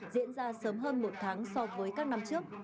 diễn ra sớm hơn một tháng so với các năm trước